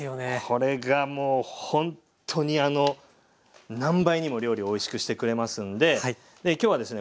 これがもうほんとに何倍にも料理おいしくしてくれますんで今日はですね